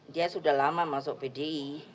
dia sudah lama masuk pdi